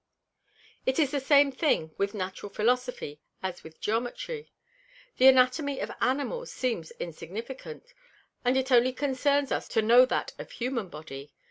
It is the same thing with Natural Philosophy as with Geometry. The Anatomy of Animals seems insignificant; and it only concerns us to know that of Human Body.